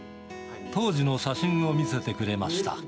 当時の写真を見せてくれました。